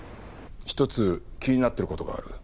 一つ気になってる事がある。